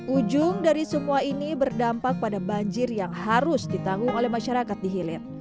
ujung dari semua ini berdampak pada banjir yang harus ditanggung oleh masyarakat di hilir